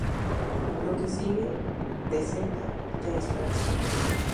Lo que sigue de senda ya es Francia.